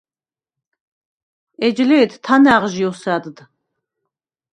ეჯ ლე̄თ თანა̈ღჟი ოსა̈დდ.